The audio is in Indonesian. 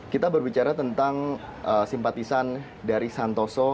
kita berbicara tentang simpatisan dari santoso